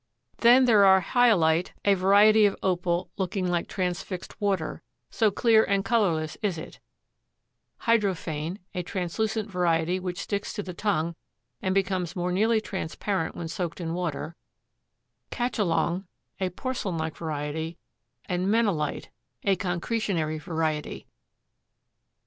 Then there are hyalite, a variety of Opal looking like transfixed water, so clear and colorless is it; hydrophane, a translucent variety which sticks to the tongue and becomes more nearly transparent when soaked in water; cacholong, a porcelain like variety, and menilite, a concretionary variety.